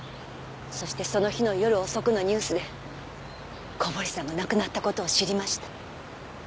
そしてその日の夜遅くのニュースで小堀さんが亡くなった事を知りました。